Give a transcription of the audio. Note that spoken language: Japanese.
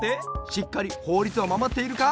しっかりほうりつをまもっているか。